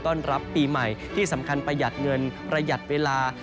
รับปีใหม่ที่สำคัญประหยัดเงินประหยัดเวลา